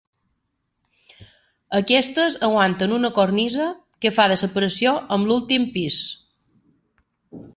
Aquestes aguanten una cornisa que fa de separació amb l'últim pis.